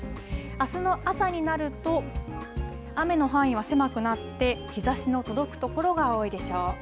あすの朝になると雨の範囲は狭くなって日ざしの届くところが多いでしょう。